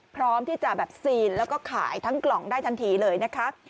พร้อมที่จะแบบซีนแล้วก็ขายทั้งกล่องได้ทันทีเลยนะคะ